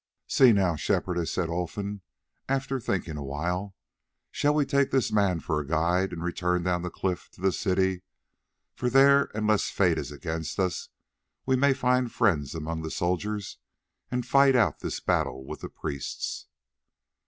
"See now, Shepherdess," said Olfan after thinking awhile, "shall we take this man for a guide and return down the cliff to the city, for there, unless fate is against us, we may find friends among the soldiers and fight out this battle with the priests."